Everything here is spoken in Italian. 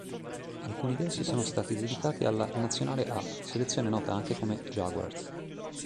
Alcuni di essi sono stati dedicati alla "Nazionale "A" selezione nota anche come "Jaguars"